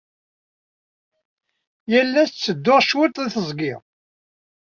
Yal ass ttedduɣ cwiṭ deg teẓgi.